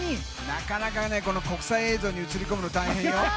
なかなか国際映像に映り込むの大変よ。